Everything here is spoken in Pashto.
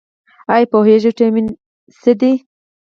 ایا پوهیږئ چې ویټامین څه دي؟